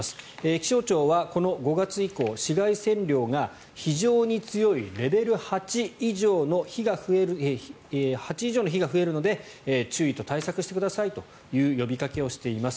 気象庁はこの５月以降紫外線量が非常に強いレベル８以上の日が増えるので注意と対策してくださいという呼びかけをしています。